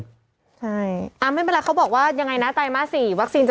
ใช่อ่าไม่เป็นไรเขาบอกว่ายังไงนะ